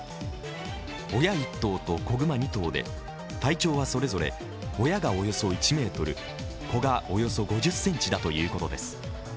親１頭と子熊２頭で体長はそれぞれ、親がおよそ１ｍ子がおよそ５０ｃｍだということです。